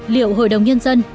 liệu hội đồng nhân dân